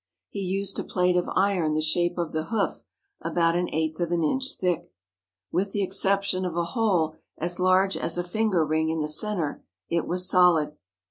He used a plate of iron the shape of the hoof about an eighth of an inch thick. With the exception of a hole as large as a finger ring in the centre, it was solid.